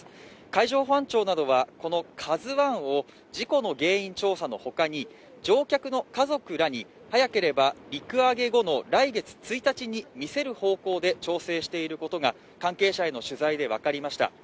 海上保安庁などはこの「ＫＡＺＵⅠ」を事故の原因調査のほかに乗客の家族らに早ければ陸揚げ後の来月１日に見せる方向で調整していることが関係者への取材で分かりました。